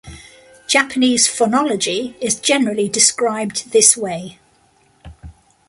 Japanese phonology is generally described this way.